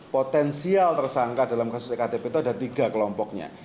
potensial tersangka dalam kasus ektp itu ada tiga kelompoknya